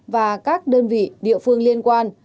và các đơn vị địa phương liên quan